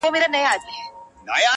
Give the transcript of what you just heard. که ستا چيري اجازه وي محترمه.